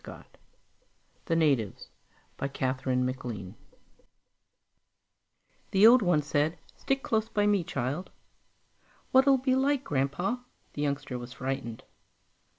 _ The Natives by KATHERINE MACLEAN The old one said, "Stick close by me, child." "What'll it be like, Grandpa?" The youngster was frightened.